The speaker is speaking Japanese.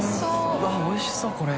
うわっおいしそうこれ。